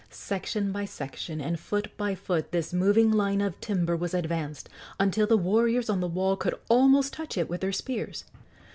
Section by section and foot by foot this moving line of timber was advanced, until the warriors on the wall could almost touch it with their spears.